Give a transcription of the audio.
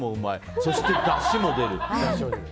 そしてだしも出る。